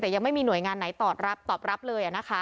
แต่ยังไม่มีหน่วยงานไหนตอบรับเลย